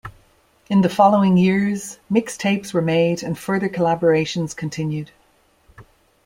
In the following years, mixtapes were made and further collaborations continued.